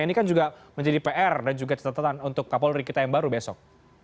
ini kan juga menjadi pr dan juga catatan untuk kapolri kita yang baru besok